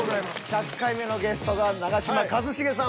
１００回目のゲストが長嶋一茂さん